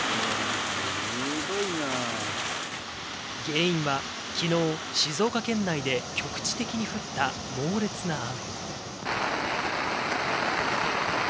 原因は、きのう静岡県内で局地的に降った猛烈な雨。